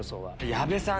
矢部さん